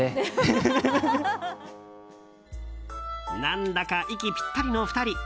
何だか息ぴったりの２人。